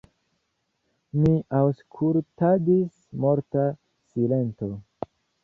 Mi aŭskultadis – morta silento.